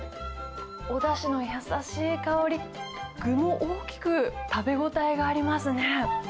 おだしの優しい香り、具も大きく、食べ応えがありますね。